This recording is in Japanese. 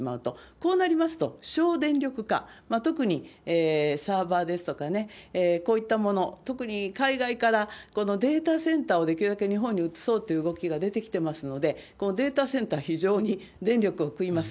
こうなりますと、省電力化、特にサーバーですとかね、こういったもの、特に海外からデータセンターをできるだけ日本に移そうという動きが出てきてますので、このデータセンター、非常に電力を食います。